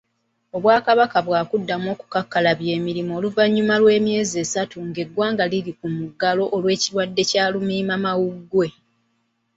Obwakabaka bwakuddamu okukakkalabya emirimu oluvanyuma lw'emyezi esatu ng'eggwanga liri ku muggalo olw'ekirwadde kya Lumiimamawuggwe.